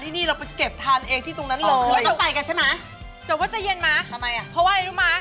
เดี๋ยวเราอยากกินมะเขือเทศไปดูอิ่ม